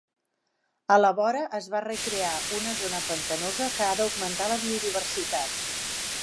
A la vora es va recrear una zona pantanosa que ha d'augmentar la biodiversitat.